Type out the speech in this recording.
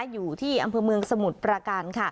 อยู่ที่อำเภอเมืองสมุทรประการ